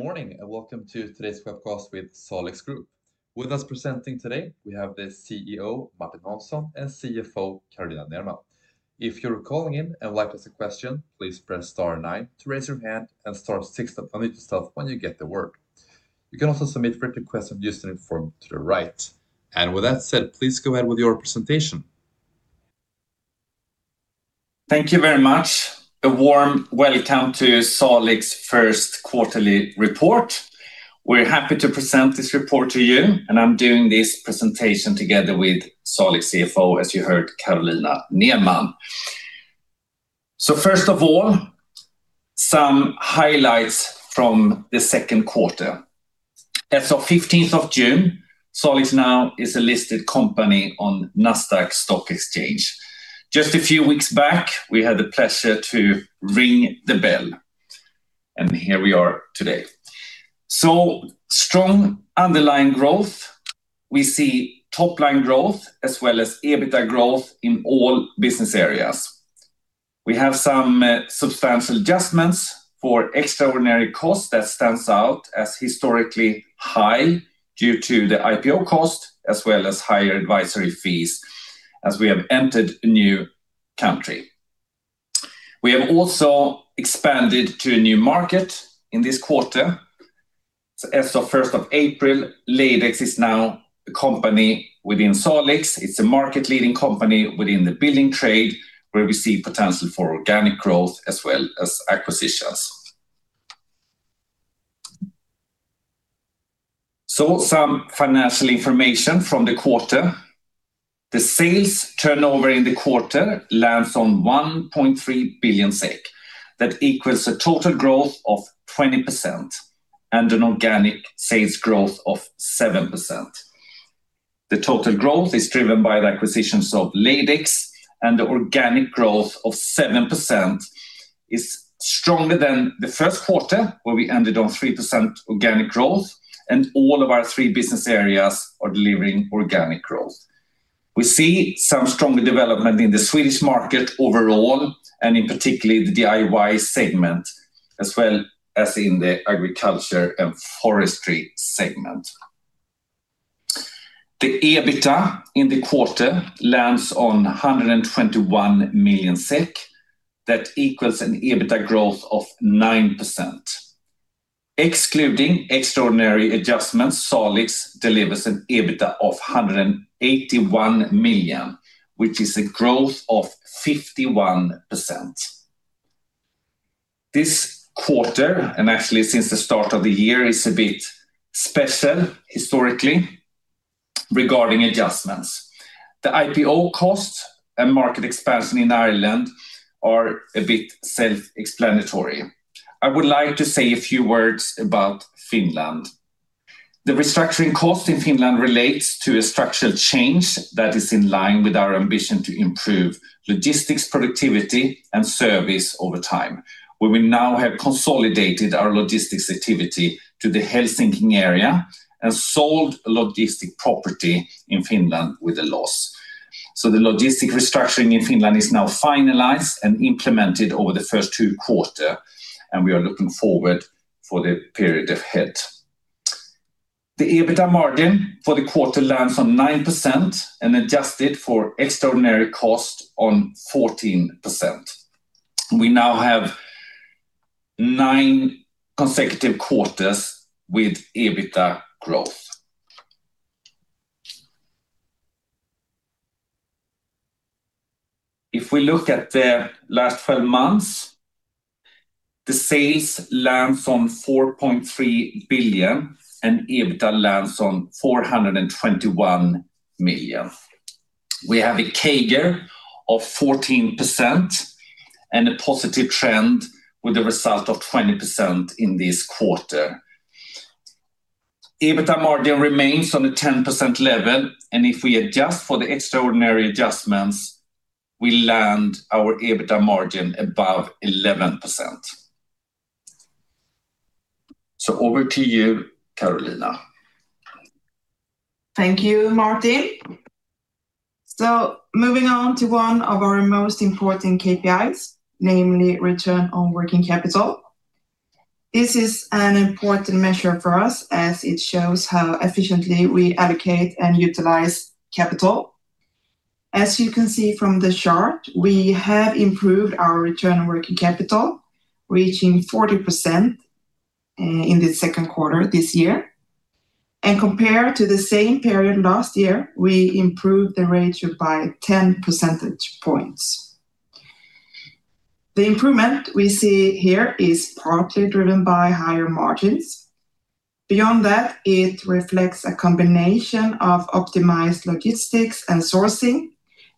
Good morning and welcome to today's webcast with Salix Group. With us presenting today, we have the CEO, Martin Hansson, and CFO, Carolina Nerman. If you're calling in and would like to ask a question, please press star nine to raise your hand and star six to unmute yourself when you get the word. You can also submit written requests using the form to the right. With that said, please go ahead with your presentation. Thank you very much. A warm welcome to Salix first quarterly report. We're happy to present this report to you, and I'm doing this presentation together with Salix CFO, as you heard, Carolina Nerman. First of all, some highlights from the second quarter. As of 15th of June, Salix now is a listed company on Nasdaq stock exchange. Just a few weeks back, we had the pleasure to ring the bell, and here we are today. Strong underlying growth. We see top-line growth as well as EBITA growth in all business areas. We have some substantial adjustments for extraordinary costs that stands out as historically high due to the IPO cost, as well as higher advisory fees as we have entered a new country. We have also expanded to a new market in this quarter. As of 1st of April, Laydex is now a company within Salix. It's a market leading company within the building trade where we see potential for organic growth as well as acquisitions. Some financial information from the quarter. The sales turnover in the quarter lands on 1.3 billion SEK. That equals a total growth of 20% and an organic sales growth of 7%. The total growth is driven by the acquisitions of Laydex, and the organic growth of 7% is stronger than the first quarter, where we ended on 3% organic growth, and all of our three business areas are delivering organic growth. We see some stronger development in the Swedish market overall and in particular the DIY segment, as well as in the agriculture and forestry segment. The EBITA in the quarter lands on 121 million SEK. That equals an EBITA growth of 9%. Excluding extraordinary adjustments, Salix delivers an EBITA of 181 million, which is a growth of 51%. This quarter, and actually since the start of the year, is a bit special historically regarding adjustments. The IPO cost and market expansion in Ireland are a bit self-explanatory. I would like to say a few words about Finland. The restructuring cost in Finland relates to a structural change that is in line with our ambition to improve logistics, productivity, and service over time, where we now have consolidated our logistics activity to the Helsinki area and sold a logistic property in Finland with a loss. The logistic restructuring in Finland is now finalized and implemented over the first two quarter, and we are looking forward for the period ahead. The EBITA margin for the quarter lands on 9% and adjusted for extraordinary cost on 14%. We now have nine consecutive quarters with EBITA growth. If we look at the last 12 months, the sales land on 4.3 billion and EBITA lands on 421 million. We have a CAGR of 14% and a positive trend with a result of 20% in this quarter. EBITA margin remains on the 10% level, and if we adjust for the extraordinary adjustments, we land our EBITA margin above 11%. Over to you, Carolina. Thank you, Martin. Moving on to one of our most important KPIs, namely return on working capital. This is an important measure for us as it shows how efficiently we allocate and utilize capital. As you can see from the chart, we have improved our return on working capital, reaching 40% in the second quarter this year. Compared to the same period last year, we improved the ratio by 10 percentage points. The improvement we see here is partly driven by higher margins. Beyond that, it reflects a combination of optimized logistics and sourcing,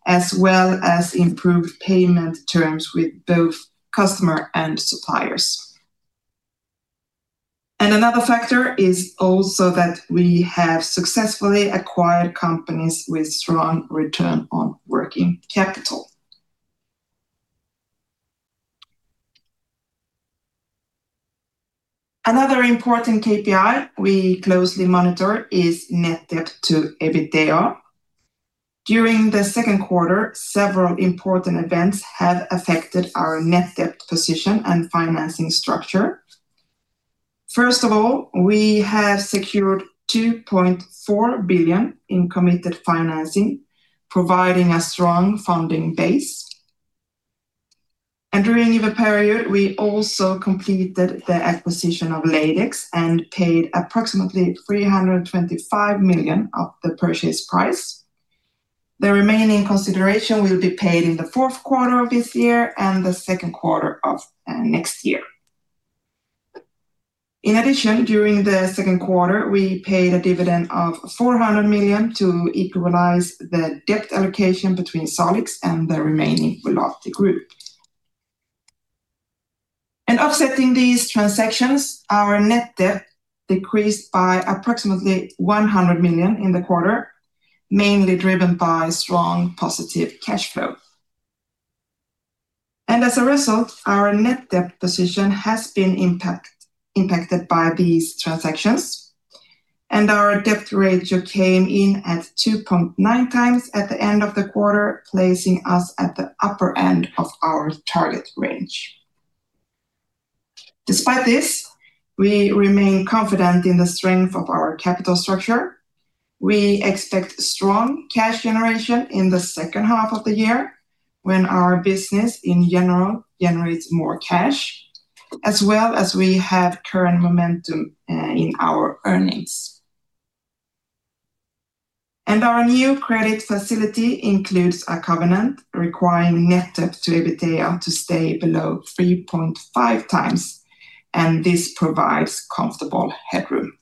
as well as improved payment terms with both customer and suppliers. Another factor is also that we have successfully acquired companies with strong return on working capital. Another important KPI we closely monitor is net debt to EBITDA. During the second quarter, several important events have affected our net debt position and financing structure. First of all, we have secured 2.4 billion in committed financing, providing a strong funding base. During the period, we also completed the acquisition of Laydex and paid approximately 325 million of the purchase price. The remaining consideration will be paid in the fourth quarter of this year and the second quarter of next year. In addition, during the second quarter, we paid a dividend of 400 million to equalize the debt allocation between Salix and the remaining part of the group. In offsetting these transactions, our net debt decreased by approximately 100 million in the quarter, mainly driven by strong positive cash flow. As a result, our net debt position has been impacted by these transactions, and our debt ratio came in at 2.9x at the end of the quarter, placing us at the upper end of our target range. Despite this, we remain confident in the strength of our capital structure. We expect strong cash generation in the second half of the year when our business in general generates more cash, as well as we have current momentum in our earnings. Our new credit facility includes a covenant requiring net debt to EBITA to stay below 3.5x, and this provides comfortable headroom.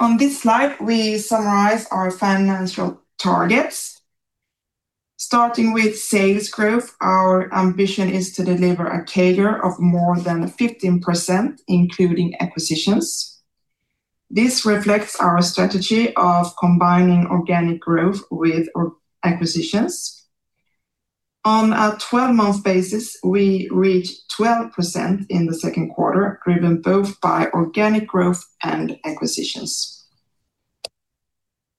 On this slide, we summarize our financial targets. Starting with sales growth, our ambition is to deliver a CAGR of more than 15%, including acquisitions. This reflects our strategy of combining organic growth with acquisitions. On a 12-month basis, we reached 12% in the second quarter, driven both by organic growth and acquisitions.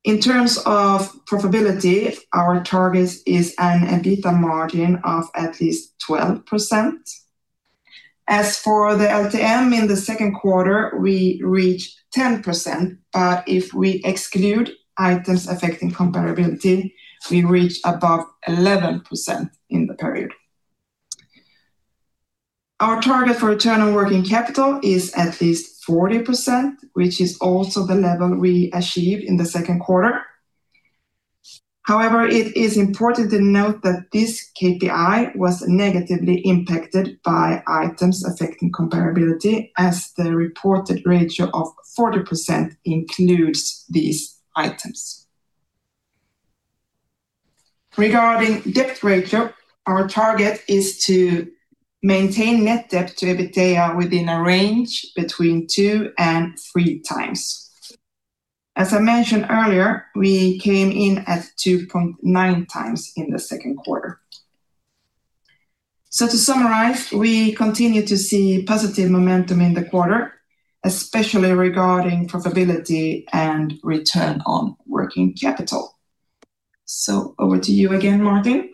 In terms of profitability, our target is an EBITA margin of at least 12%. As for the LTM in the second quarter, we reached 10%, but if we exclude items affecting comparability, we reach above 11% in the period. Our target for return on working capital is at least 40%, which is also the level we achieved in the second quarter. However, it is important to note that this KPI was negatively impacted by items affecting comparability, as the reported ratio of 40% includes these items. Regarding debt ratio, our target is to maintain net debt to EBITA within a range between 2x and 3x. As I mentioned earlier, we came in at 2.9x in the second quarter. To summarize, we continue to see positive momentum in the quarter, especially regarding profitability and return on working capital. Over to you again, Martin.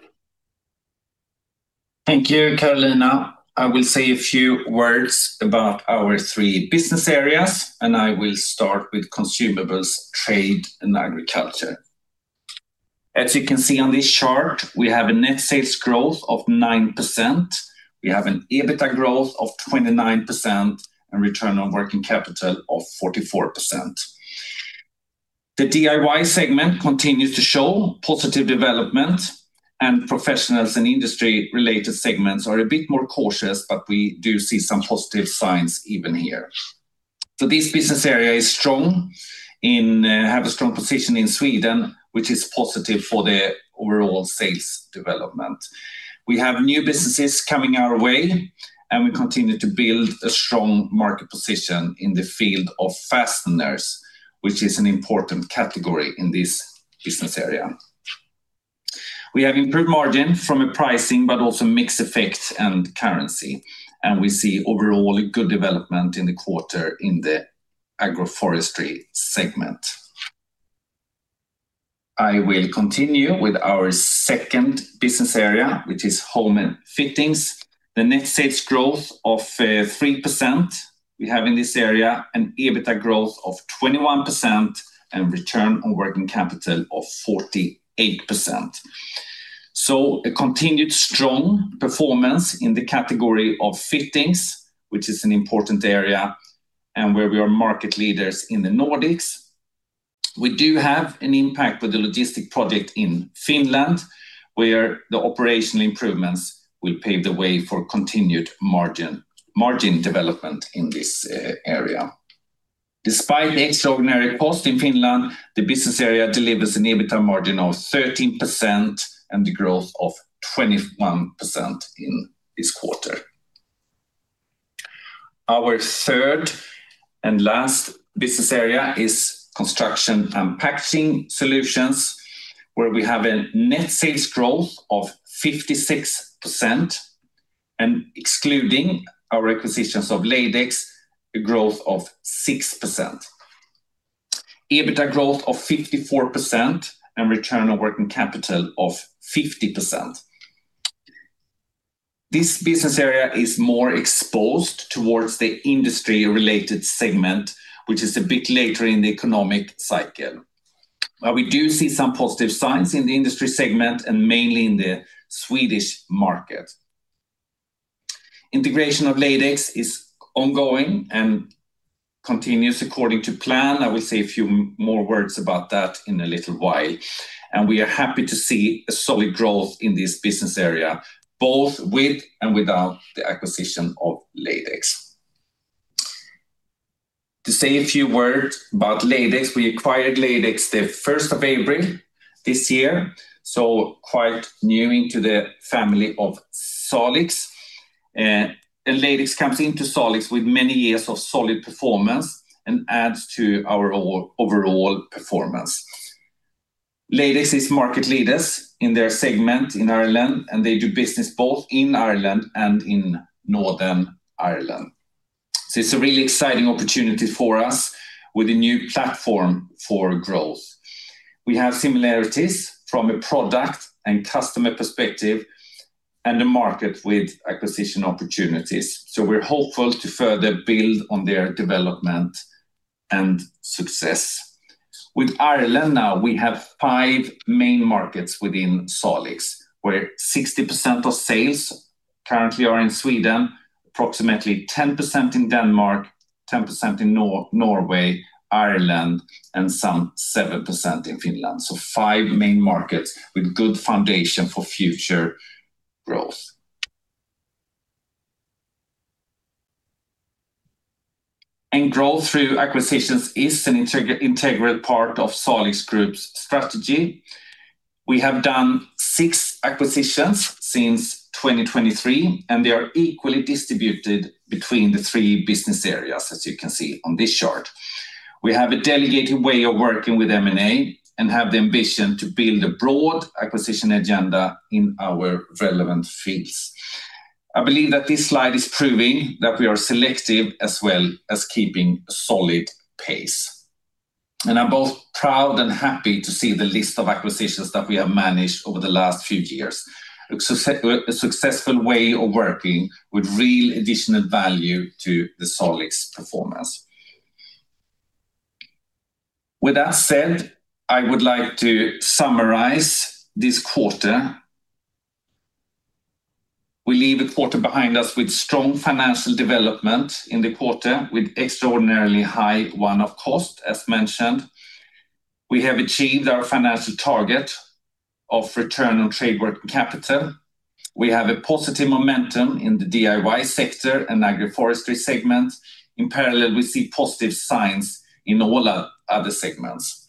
Thank you, Carolina. I will say a few words about our three business areas, and I will start with Consumables Trade & Agriculture. As you can see on this chart, we have a net sales growth of 9%. We have an EBITA growth of 29% and return on working capital of 44%. The DIY segment continues to show positive development and professionals and industry-related segments are a bit more cautious, but we do see some positive signs even here. This business area has a strong position in Sweden, which is positive for the overall sales development. We have new businesses coming our way, and we continue to build a strong market position in the field of fasteners, which is an important category in this business area. We have improved margin from a pricing, but also mixed effect and currency, and we see overall good development in the quarter in the agroforestry segment. I will continue with our second business area, which is Home & Fittings. The net sales growth of 3% we have in this area, an EBITA growth of 21%, and return on working capital of 48%. A continued strong performance in the category of fittings, which is an important area and where we are market leaders in the Nordics. We do have an impact with the logistic project in Finland, where the operational improvements will pave the way for continued margin development in this area. Despite the extraordinary cost in Finland, the business area delivers an EBITA margin of 13% and the growth of 21% in this quarter. Our third and last business area is Construction & Packaging Solutions. Where we have a net sales growth of 56% and excluding our acquisitions of Laydex, a growth of 6%. EBITA growth of 54% and return on working capital of 50%. This business area is more exposed towards the industry-related segment, which is a bit later in the economic cycle. We do see some positive signs in the industry segment, mainly in the Swedish market. Integration of Laydex is ongoing and continues according to plan. I will say a few more words about that in a little while. We are happy to see a solid growth in this business area, both with and without the acquisition of Laydex. To say a few words about Laydex, we acquired Laydex the 1st of April this year, so quite new into the family of Salix. Laydex comes into Salix with many years of solid performance and adds to our overall performance. Laydex is market leaders in their segment in Ireland, and they do business both in Ireland and in Northern Ireland. It's a really exciting opportunity for us with a new platform for growth. We have similarities from a product and customer perspective, and a market with acquisition opportunities. We're hopeful to further build on their development and success. With Ireland now, we have five main markets within Salix, where 60% of sales currently are in Sweden, approximately 10% in Denmark, 10% in Norway, Ireland, and some 7% in Finland. Five main markets with good foundation for future growth. Growth through acquisitions is an integral part of Salix Group's strategy. We have done six acquisitions since 2023, and they are equally distributed between the three business areas, as you can see on this chart. We have a delegated way of working with M&A and have the ambition to build a broad acquisition agenda in our relevant fields. I believe that this slide is proving that we are selective as well as keeping a solid pace. I'm both proud and happy to see the list of acquisitions that we have managed over the last few years. A successful way of working with real additional value to the Salix performance. With that said, I would like to summarize this quarter. We leave a quarter behind us with strong financial development in the quarter with extraordinarily high one-off cost, as mentioned. We have achieved our financial target of return on trade working capital. We have a positive momentum in the DIY sector and agroforestry segment. In parallel, we see positive signs in all other segments.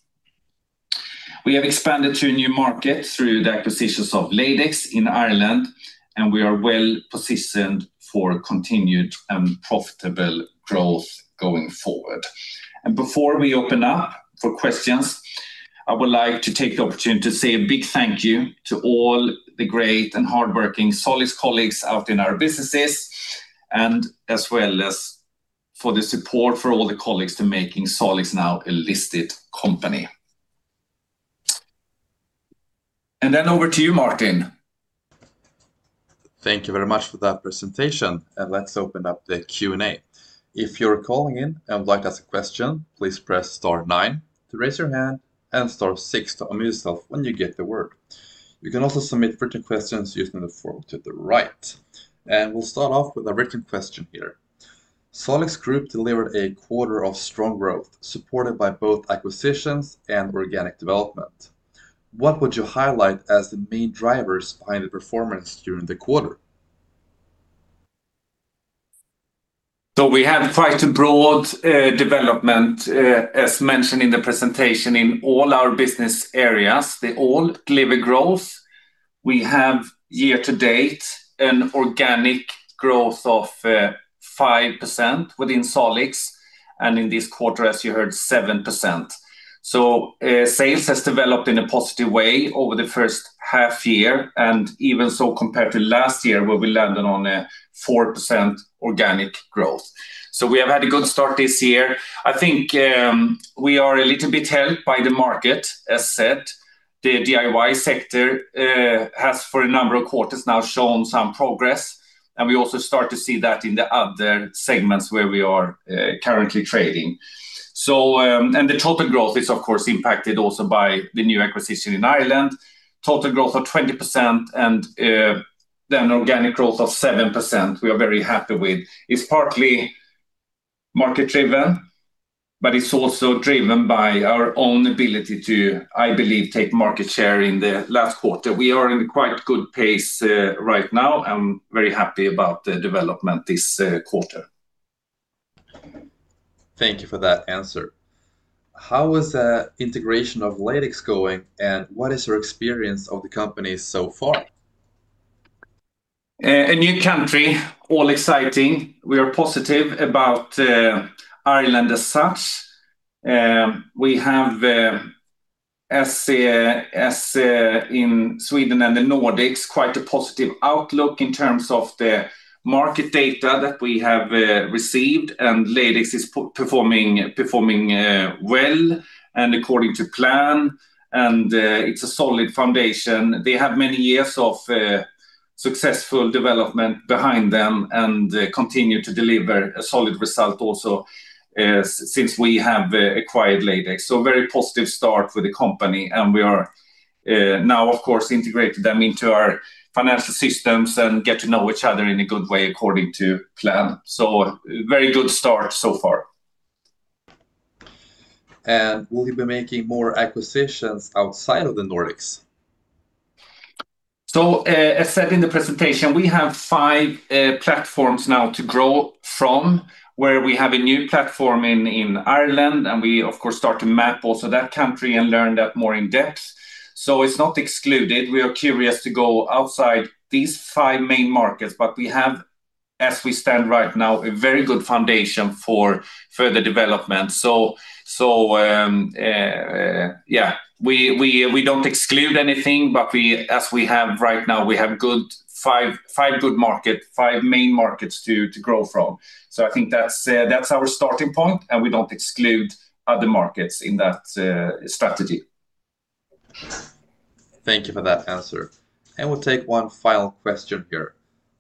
We have expanded to a new market through the acquisitions of Laydex in Ireland, and we are well-positioned for continued and profitable growth going forward. Before we open up for questions, I would like to take the opportunity to say a big thank you to all the great and hardworking Salix colleagues out in our businesses, as well as for the support for all the colleagues to making Salix now a listed company. Over to you, Martin. Thank you very much for that presentation. Let's open up the Q&A. If you're calling in and would like to ask a question, please press star nine to raise your hand and star six to unmute yourself when you get the word. You can also submit written questions using the form to the right. We'll start off with a written question here. Salix Group delivered a quarter of strong growth, supported by both acquisitions and organic development. What would you highlight as the main drivers behind the performance during the quarter? We have quite a broad development, as mentioned in the presentation, in all our business areas. They all deliver growth. We have year to date an organic growth of 5% within Salix, and in this quarter, as you heard, 7%. Sales has developed in a positive way over the first half year, and even so compared to last year, where we landed on a 4% organic growth. We have had a good start this year. I think we are a little bit helped by the market, as said. The DIY sector has, for a number of quarters now, shown some progress, and we also start to see that in the other segments where we are currently trading. The total growth is, of course, impacted also by the new acquisition in Ireland. Total growth of 20% and an organic growth of 7% we are very happy with. It's partly market-driven, but it's also driven by our own ability to, I believe, take market share in the last quarter. We are in quite good pace right now. I'm very happy about the development this quarter. Thank you for that answer. How is the integration of Laydex going, and what is your experience of the company so far? A new country, all exciting. We are positive about Ireland as such. We have, as in Sweden and the Nordics, quite a positive outlook in terms of the market data that we have received. Laydex is performing well and according to plan. It's a solid foundation. They have many years of successful development behind them and continue to deliver a solid result also since we have acquired Laydex. Very positive start for the company. We are now, of course, integrated them into our financial systems and get to know each other in a good way, according to plan. Very good start so far. Will you be making more acquisitions outside of the Nordics? As said in the presentation, we have five platforms now to grow from, where we have a new platform in Ireland. We, of course, start to map also that country and learn that more in depth. It's not excluded. We are curious to go outside these five main markets. We have, as we stand right now, a very good foundation for further development. We don't exclude anything, but as we have right now, we have five good market, five main markets to grow from. I think that's our starting point. We don't exclude other markets in that strategy. Thank you for that answer. We'll take one final question here.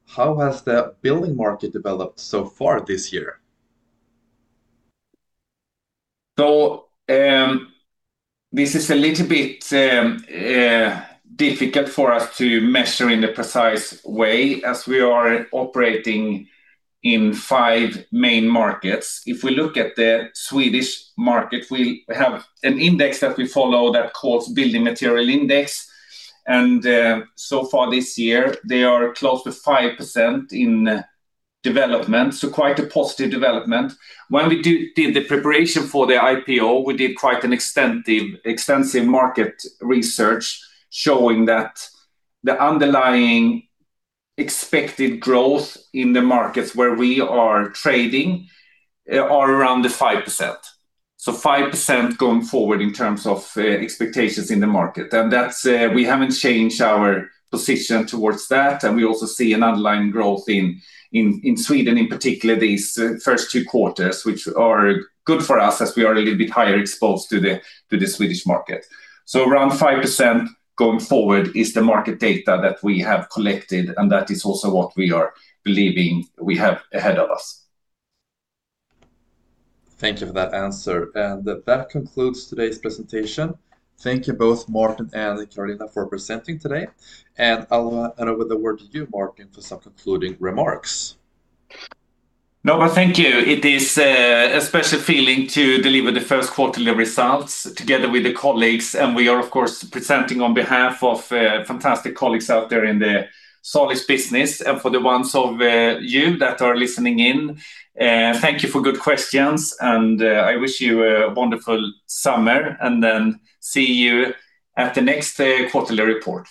How has the building market developed so far this year? This is a little bit difficult for us to measure in a precise way as we are operating in five main markets. If we look at the Swedish market, we have an index that we follow that's called Building Material Index. So far this year, they are close to 5% in development, so quite a positive development. When we did the preparation for the IPO, we did quite an extensive market research showing that the underlying expected growth in the markets where we are trading are around 5%. 5% going forward in terms of expectations in the market. We haven't changed our position towards that, and we also see an underlying growth in Sweden, in particular, these first two quarters, which are good for us as we are a little bit higher exposed to the Swedish market. Around 5% going forward is the market data that we have collected, and that is also what we are believing we have ahead of us. Thank you for that answer. That concludes today's presentation. Thank you both Martin and Carolina for presenting today. I'll hand over the word to you, Martin, for some concluding remarks. No, thank you. It is a special feeling to deliver the first quarterly results together with the colleagues, and we are, of course, presenting on behalf of fantastic colleagues out there in the Salix business. For the ones of you that are listening in, thank you for good questions, and I wish you a wonderful summer, see you at the next quarterly report.